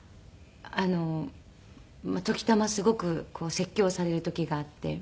時たますごく説教をされる時があって。